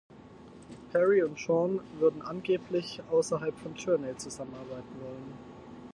Perry und Schon würden angeblich außerhalb von Journey zusammenarbeiten wollen.